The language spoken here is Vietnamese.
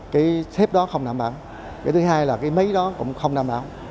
cái thép đó không nằm bảo cái thứ hai là cái máy đó cũng không nằm bảo